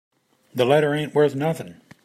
The letter ain't worth nothing.